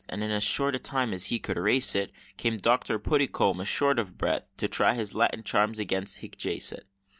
And in as short a time as he could race it, Came Doctor Puddicome, as short of breath, To try his Latin charms against Hic Jacet.